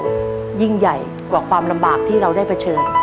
ก็ยิ่งใหญ่กว่าความลำบากที่เราได้เผชิญ